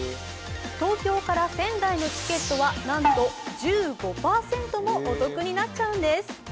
東京から仙台のチケットはなんと１５％もお得になっちゃうんです。